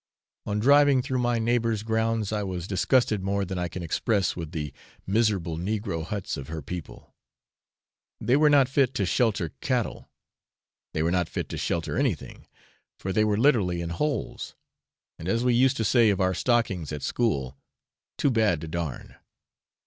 On driving through my neighbour's grounds, I was disgusted more than I can express with the miserable negro huts of her people; they were not fit to shelter cattle they were not fit to shelter anything, for they were literally in holes, and, as we used to say of our stockings at school, too bad to darn.